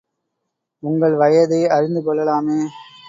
உங்கள் வயதை அறிந்து கொள்ளலாமே?